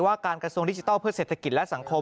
การกระทรวงดิจิทัลเพื่อเศรษฐกิจและสังคม